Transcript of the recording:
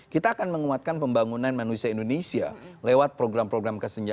kita akan menguatkan pembangunan manusia indonesia lewat program program